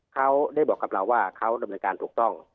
เขาได้บอกกับเราว่าเขาดำเนินการถูกต้อง